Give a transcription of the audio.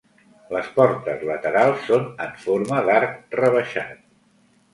Les portes laterals són en forma d'arc rebaixat.